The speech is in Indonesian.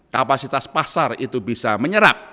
kapasitas pasar itu bisa menyerap